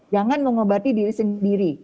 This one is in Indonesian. jangan mengobati diri sendiri